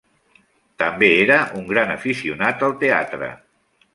També era un gran aficionat al teatre.